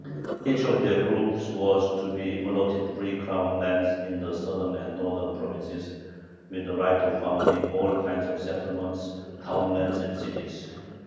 Each of their groups was to be allotted free crown lands in the southern and northern provinces, with the right of founding all kinds of settlements, townlets, and cities.